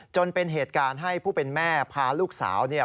จนเป็นเหตุการณ์ให้ผู้เป็นแม่พาลูกสาวเนี่ย